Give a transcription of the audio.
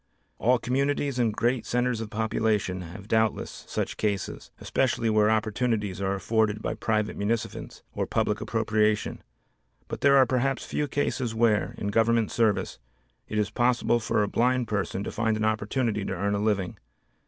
All communities and great centers of population have doubtless such cases, especially where opportunities are afforded by private munificence or public appropriation, but there are perhaps few cases where, in Government service, it is possible for a blind person to find an opportunity to earn a living.